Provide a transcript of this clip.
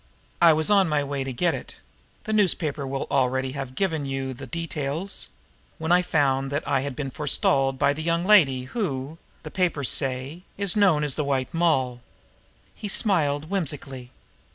I was on my way to get it the newspaper will already have given you the details when I found that I had been forestalled by the young lady, who, the papers say, is known as the White Moll." He smiled whimsically.